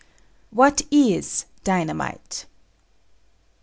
WHAT IS DYNAMITE?